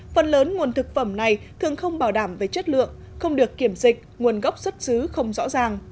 phần lớn nguồn thực phẩm này thường không bảo đảm về chất lượng không được kiểm dịch nguồn gốc xuất xứ không rõ ràng